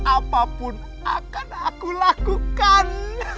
apapun akan aku lakukan